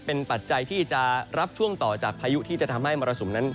เป็นปัจจัยที่จะรับช่วงต่อจากพายุที่จะทำให้มรสุมนั้น